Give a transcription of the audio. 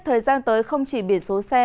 thời gian tới không chỉ biển số xe